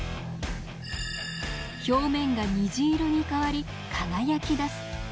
表面が虹色に変わり輝き出す。